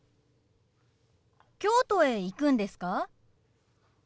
京都へ行くんですか？